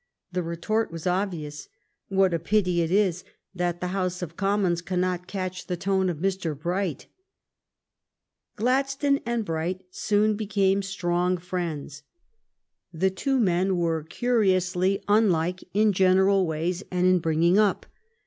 " The retort was obvious — What a pity it is that the House of Commons cannot catch the tone of Mr. Bright ! Gladstone and Bright soon became strong friends. The two men were curiously unlike in general ways and in bringing up.